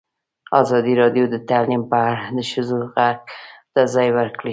ازادي راډیو د تعلیم په اړه د ښځو غږ ته ځای ورکړی.